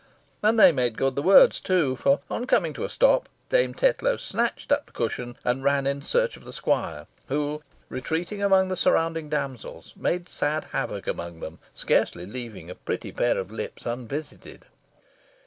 And they made good the words too; for on coming to a stop, Dame Tetlow snatched up the cushion, and ran in search of the squire, who retreating among the surrounding damsels, made sad havoc among them, scarcely leaving a pretty pair of lips unvisited.